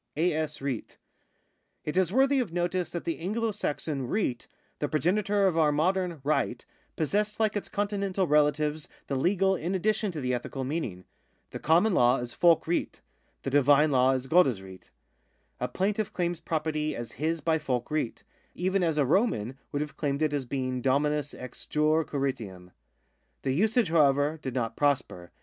A.S. RIHT. — It is worthy of notice that the Anglo Saxon riht, the progenitor of our modern right, possessed like its Continental relatives the legal in addition to the ethical meaning. The common law is folc rihtA The divine law is godes riht. A plaintiff claims property as " his by folc riht,^^ 3 even as a Roman would have claimed it as being dominus ex jure Quiritium. The usage, however, did not prosper.